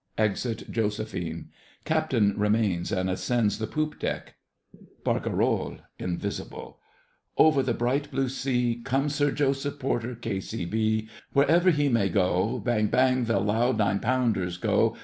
[Exit JOSEPHINE. CAPTAIN remains and ascends the poop deck. BARCAROLLE. (invisible) Over the bright blue sea Comes Sir Joseph Porter, K.C.B., Wherever he may go Bang bang the loud nine pounders go!